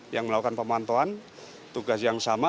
yang melakukan pemantauan tugas yang sama